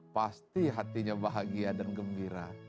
pasti hatinya bahagia dan gembira